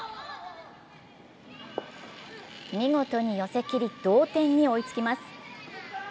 見事に寄せきり同点に追いつきます。